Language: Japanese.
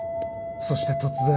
そして突然。